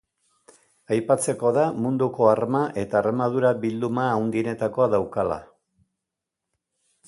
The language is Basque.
Aipatzekoa da munduko arma eta armadura bilduma handienetakoa daukala.